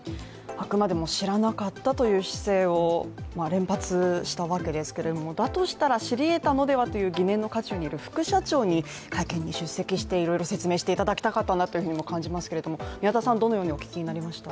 あくまでも知らなかったという姿勢を連発したわけですけれどもだとしたら知りえたのではという疑念の渦中にいた副社長に会見に出席して、いろいろ説明していただきたかったというふうにも感じますけども宮田さん、どのようにお聞きになりました？